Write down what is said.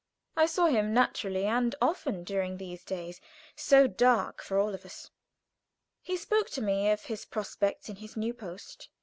I saw him, naturally, and often during these days so dark for all of us. He spoke to me of his prospects in his new post.